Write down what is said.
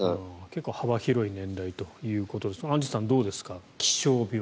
結構幅広い年代ということですがアンジュさん、どうですか気象病。